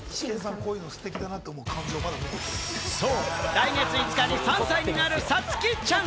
来月５日に３歳になるさつきちゃん。